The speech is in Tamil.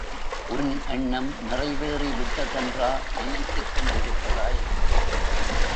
உன் எண்ணம் நிறைவேறிவிட்டதென்றா நினைத்துக்கொண்டிருக்கிறாய்?